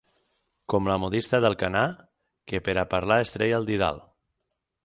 Com la modista d'Alcanar, que per a parlar es treia el didal.